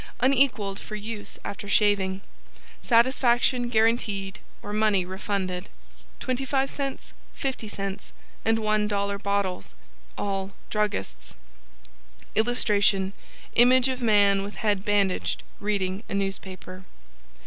Unequaled for use after Shaving. Satisfaction guaranteed or money refunded. 25c, 50c, and $1.00 Bottles. All Druggists. [Illustration: Image of Man with head bandaged, reading a newspaper.